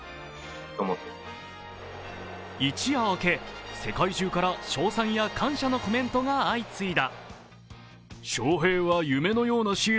一夜明け、世界中から称賛や感謝のコメントが相次いだ。